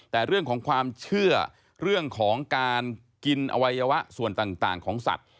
แต่เรื่องของความเชื่อเรื่องของการกินอวัยวะส่วนต่างของสัตว์